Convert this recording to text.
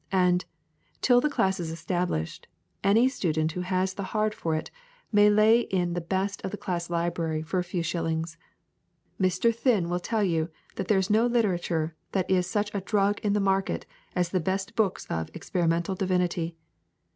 And, till the class is established, any student who has the heart for it may lay in the best of the class library for a few shillings. Mr. Thin will tell you that there is no literature that is such a drug in the market as the best books of Experimental Divinity.